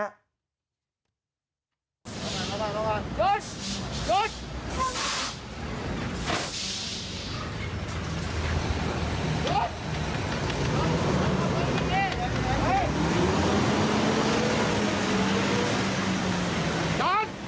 ระวังระวังระวังระวังรถรถ